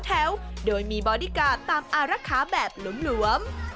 และมีบอดิการ์ตามอารักษาแบบหลวม